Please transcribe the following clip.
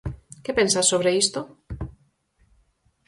Que pensas sobre isto?